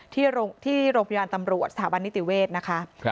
ที่โรงพยาบาลตำรวจสถาบันนิติเวศนะคะ